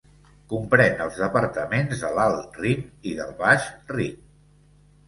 Comprèn els departaments de l'Alt Rin i del Baix Rin.